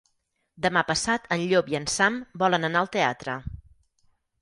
Demà passat en Llop i en Sam volen anar al teatre.